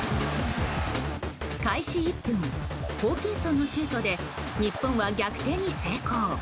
開始１分ホーキンソンのシュートで日本は逆転に成功。